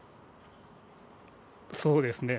そうですね。